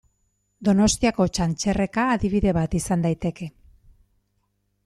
Donostiako Txantxerreka adibide bat izan daiteke.